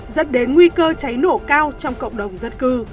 dẫn đến nguy cơ cháy nổ cao trong cộng đồng dân cư